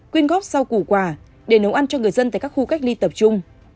quyên góp sau củ quà để nấu ăn cho người dân tại các khu cách ly tập trung